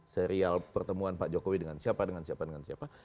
serial pertemuan pak jokowi dengan siapa dengan siapa dengan siapa